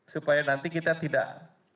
supaya nanti kita tidak